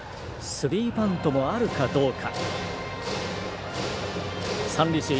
スリーバントもあるかどうか。